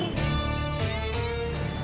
takut sama kang murad